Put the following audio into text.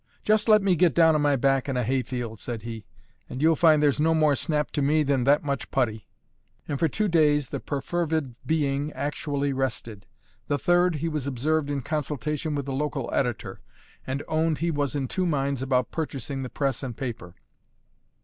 "Just let me get down on my back in a hayfield," said he, "and you'll find there's no more snap to me than that much putty." And for two days the perfervid being actually rested. The third, he was observed in consultation with the local editor, and owned he was in two minds about purchasing the press and paper.